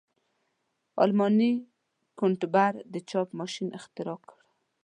آلماني ګونتبر د چاپ ماشین اختراع کړ.